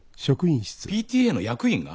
ＰＴＡの役員が？